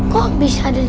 kok bisa ada di situ